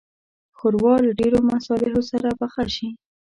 ښوروا له ډېرو مصالحو سره پخه شي.